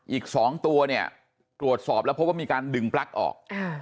อีก๒ตัวเนี่ยตรวจสอบแล้วพบว่ามีการดึงปลั๊กออก